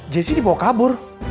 jessy dibawa kabur